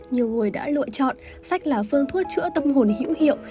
nhiều người đã lựa chọn sách là phương thuốc chữa tâm hồn hữu hiệu